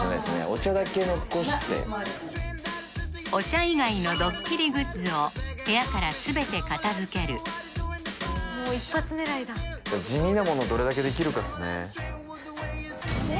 お茶だけ残してお茶以外のドッキリグッズを部屋から全て片づける地味なものどれだけできるかっすね